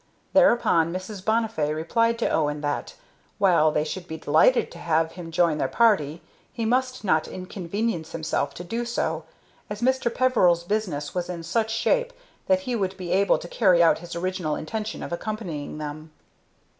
Thereupon Mrs. Bonnifay replied to Owen that, while they should be delighted to have him join their party, he must not inconvenience himself to do so, as Mr. Peveril's business was in such shape that he would be able to carry out his original intention of accompanying them.